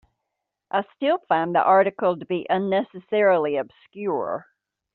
I still find the article to be unnecessarily obscure.